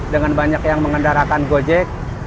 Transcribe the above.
dengan banyak yang mengendarakan gojek